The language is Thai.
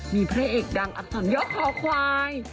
มีพระเอกดังอักษรยะคอควาย